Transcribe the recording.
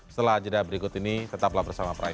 setelah jeda berikut ini tetaplah bersama prime